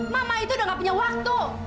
mama itu udah gak punya waktu